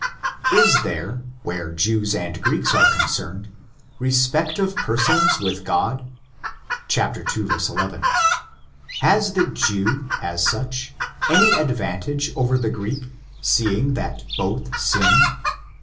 Is there, where Jews and Greeks are concerned, respect of persons with God (προσωπολημψία παρὰ τῷ Θεῷ, 11. 11)? Has the Jew, as such, any advantage over the Greek, seeing that both sin?